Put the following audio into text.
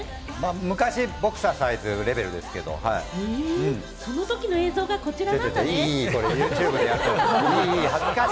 昔、ボクササイズレベルですけれども、そのときの映像がこちら。